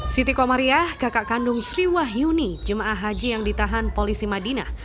siti komariah kakak kandung sri wahyuni jemaah haji yang ditahan polisi madinah